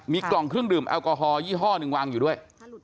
มีกล่องเครื่องดื่มแอลกอฮอลยี่ห้อหนึ่งวางอยู่ด้วย